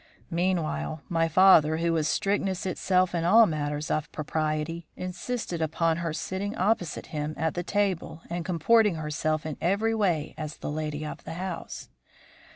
"Meanwhile my father, who was strictness itself in all matters of propriety, insisted upon her sitting opposite him at the table and comporting herself in every way as the lady of the house.